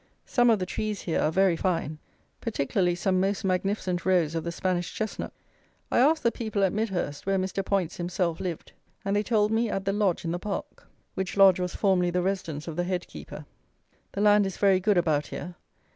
Some of the trees here are very fine, particularly some most magnificent rows of the Spanish chestnut. I asked the people at Midhurst where Mr. Poyntz himself lived; and they told me at the lodge in the park, which lodge was formerly the residence of the head keeper. The land is very good about here.